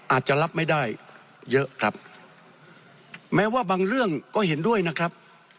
อาจจะรับไม่ได้เยอะครับแม้ว่าบางเรื่องก็เห็นด้วยนะครับ